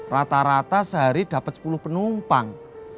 rata rata sehari dapat sepuluh penumpang